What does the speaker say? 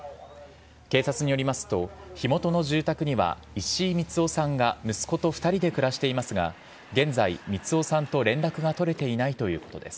警察によりますと、火元の住宅には、石井光男さんが息子と２人で暮らしていますが、現在、光男さんと連絡が取れていないということです。